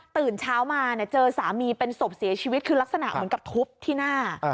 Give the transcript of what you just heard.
ตื่นเช้ามาเจอสามีเป็นศพเสียชีวิตคือลักษณะเหมือนกับทุบที่หน้า